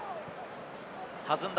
弾んだ